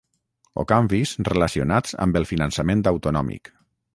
o canvis relacionats amb el finançament autonòmic